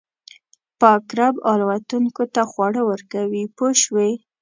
پاک رب الوتونکو ته خواړه ورکوي پوه شوې!.